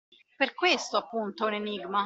Per questo, appunto, è un enigma!